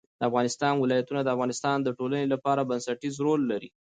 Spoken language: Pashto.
د افغانستان ولايتونه د افغانستان د ټولنې لپاره بنسټيز رول لري.